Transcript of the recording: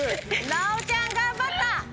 ナオちゃん頑張った！